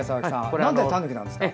なんでタヌキなんですか？